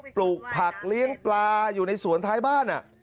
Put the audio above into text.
ปลูกผักเลี้ยงปลาอยู่ในสวนท้ายบ้าน